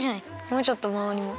もうちょっとまわりも。